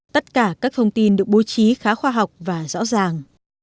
tất cả các thông tin được bố trí khá khoa học và rõ ràng